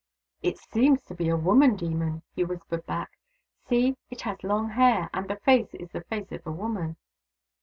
" It seems to be a woman demon," he whispered back. " See ! it has long hair, and the face is the face of a woman."